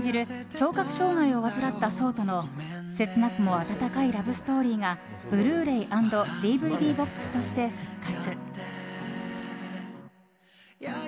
聴覚障害を患った想との切なくも温かいラブストーリーがブルーレイ＆ＤＶＤＢＯＸとして復活。